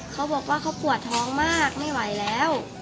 เขาบอกว่าเขาปวดท้องมากไม่ไหวแล้ว